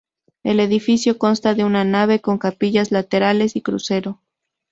El edificio consta de una nave, con capillas laterales y crucero.